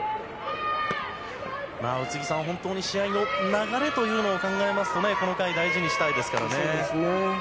宇津木さん、本当に試合の流れというのを考えますとこの回大事にしたいですからね。